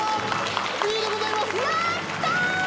Ｂでございますやったー！